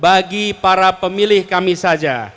bagi para pemilih kami saja